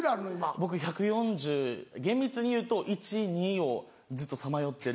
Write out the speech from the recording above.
僕１４０厳密に言うと１４１１４２をずっとさまよってる。